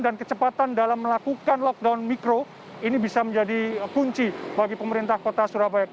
dan kecepatan dalam melakukan lockdown mikro ini bisa menjadi kunci bagi pemerintah kota surabaya